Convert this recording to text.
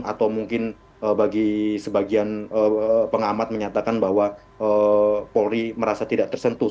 atau mungkin bagi sebagian pengamat menyatakan bahwa polri merasa tidak tersentuh